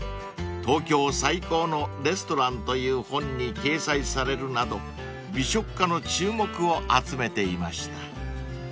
［『東京最高のレストラン』という本に掲載されるなど美食家の注目を集めていました］